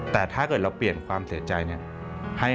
แต่ถ้าเกิดเราเปลี่ยนความเสียใจเนี่ย